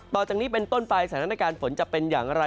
ต่อจากนี้เป็นต้นไปสถานการณ์ฝนจะเป็นอย่างไร